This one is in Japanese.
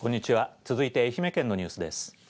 続いて愛媛県のニュースです。